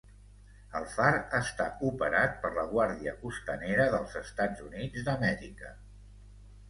El far està operat per la Guàrdia Costanera dels Estats Units d'Amèrica.